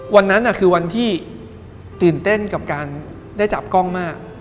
วันนั้นคือวันที่ตื่นเต้นกับการได้จับกล้องมาก